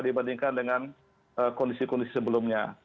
dibandingkan dengan kondisi kondisi sebelumnya